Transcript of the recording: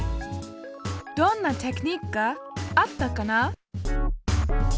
どんなテクニックがあったかな？